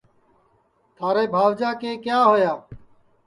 تھارے بھاوجا کے کیا ہویا